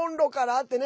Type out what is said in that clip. ってね。